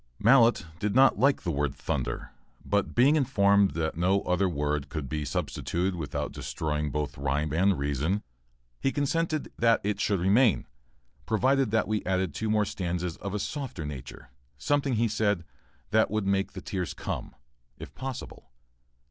[Mallett did not like the word "thunder," but being informed that no other word could be substituted without destroying both rhyme and reason, he consented that it should remain, provided we added two more stanzas of a softer nature; something, he said, that would make the tears come, if possible.